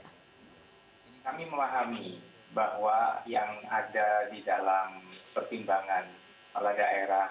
kami memahami bahwa yang ada di dalam pertimbangan ladaer